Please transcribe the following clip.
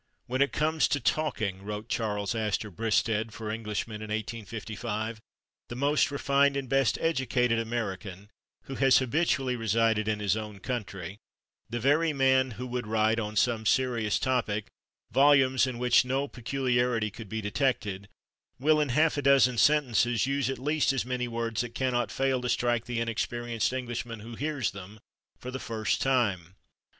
"When it comes to talking," wrote Charles Astor Bristed for Englishmen in 1855, "the most refined and best educated American, who has habitually resided in his own country, the very man who would write, on some serious topic, volumes in which no peculiarity could be detected, will, in half a dozen sentences, use at least as many words that cannot fail to strike the inexperienced Englishman who hears them for the first time."